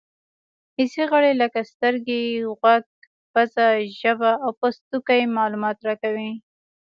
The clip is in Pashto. حسي غړي لکه سترګې، غوږ، پزه، ژبه او پوستکی معلومات راکوي.